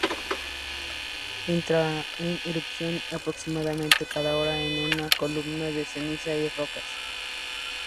Entra en erupción aproximadamente cada hora en una columna de cenizas y rocas.